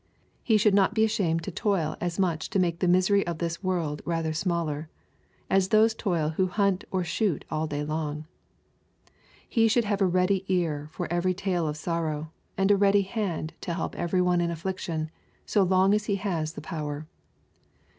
He should not be ashamed to toil as much to make the misery of this world rather smaller, as those toil who hunt or shoot all day long. He should have a ready ear for every tale of sorrow, and a ready hand to help every^onelh affliction, so long as he has the power.'